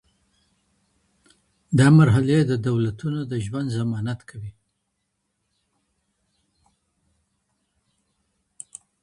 دا مرحلې د دولتونو د ژوند ضمانت کوي.